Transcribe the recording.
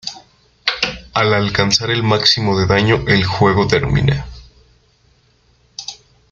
Al alcanzar el máximo de daño, el juego termina.